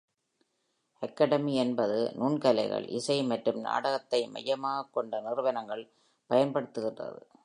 "Academy" என்பது நுண்கலைகள், இசை மற்றும் நாடகத்தை மையமாகக் கொண்ட நிறுவனங்கள் பயன்படுத்துகிறது.